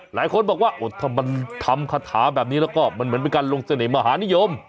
หลายคนบอกว่าถ้ามันทำคาถาแบบนี้แล้วก็มันเหมือนเป็นการลงเสน่หมหานิยม